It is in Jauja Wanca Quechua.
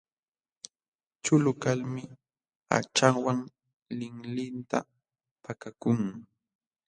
Chulu kalmi aqchanwan linlinta pakakun.